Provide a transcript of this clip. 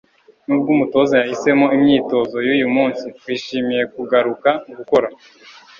Nubwo umutoza yahisemo imyitozo yuyu munsi, twishimiye kugaruka gukora